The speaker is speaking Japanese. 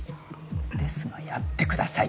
ですがやってください。